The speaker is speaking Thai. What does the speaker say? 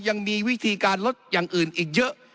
ยังมีวิธีการลดอย่างอื่นอีกเยอะ